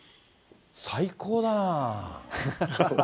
最高だな。